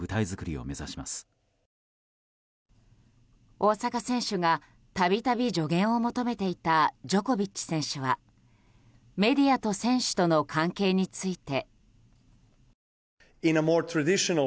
大坂選手が度々助言を求めていたジョコビッチ選手はメディアと選手との関係について。